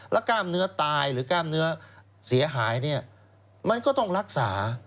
แล้วกล้ามเนื้อตายหรือกล้ามเนื้อเสียหายเนี่ยมันก็ต้องรักษา